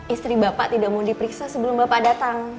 istri bapak tidak mau diperiksa sebelum bapak datang